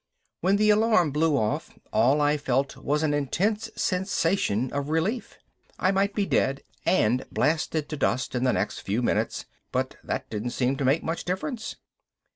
When the alarm blew off, all I felt was an intense sensation of relief. I might be dead and blasted to dust in the next few minutes, but that didn't seem to make much difference.